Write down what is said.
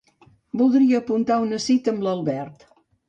Voldria apuntar una cita amb l'Albert.